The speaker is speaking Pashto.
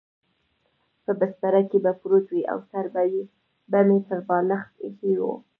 په بستره کې به پروت وای او سر به مې پر بالښت اېښی و.